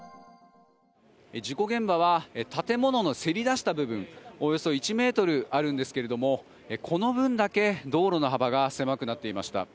事故現場は建物のせり出した部分およそ１ｍあるんですけどもこの分だけ道路の幅が狭くなっていました。